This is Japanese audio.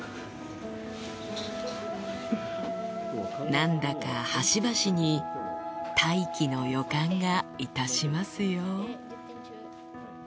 何だか端々に大器の予感がいたしますよ